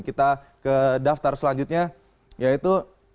kita ke daftar selanjutnya yaitu